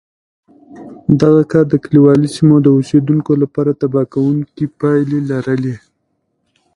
دغه کار د کلیوالي سیمو د اوسېدونکو لپاره تباه کوونکې پایلې لرلې